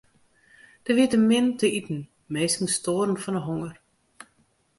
Der wie te min te iten, minsken stoaren fan 'e honger.